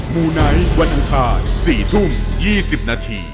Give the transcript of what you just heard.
มูไนท์วันอังคาร๔ทุ่ม๒๐นาที